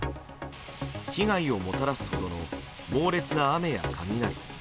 被害をもたらすほどの猛烈な雨や雷。